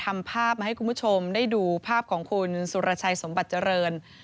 ทำภาพมาให้คุณผู้ชมได้ดูภาพของคุณสุรชัยสมบัติเจริญ